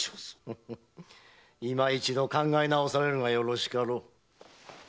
今一度考え直されるがよろしかろう。